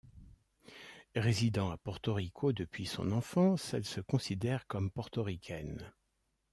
Résidant à Porto Rico depuis son enfance, elle se considère comme portoricaine.